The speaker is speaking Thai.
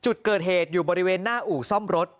จุดเกิดเหตุอยู่บริเวณหน้าอู่ซ่อมรถ